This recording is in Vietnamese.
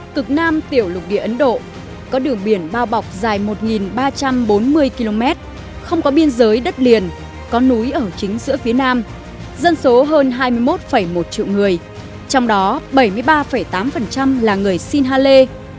cực nam tiểu lục địa ấn độ có đường biển bao bọc dài một ba trăm bốn mươi km không có biên giới đất liền có núi ở chính giữa phía nam dân số hơn hai mươi một một triệu người trong đó bảy mươi ba tám là người sihale